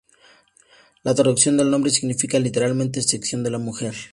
La traducción del nombre significa literalmente "Sección de la Mujer".